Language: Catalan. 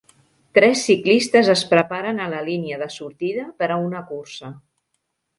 Tres ciclistes es preparen a la línia de sortida per a una cursa.